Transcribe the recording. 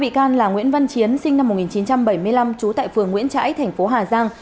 bị can là nguyễn văn chiến sinh năm một nghìn chín trăm bảy mươi năm trú tại phường nguyễn trãi thành phố hà giang